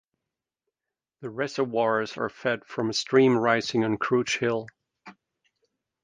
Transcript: The reservoirs are fed from a stream rising on Creuch Hill.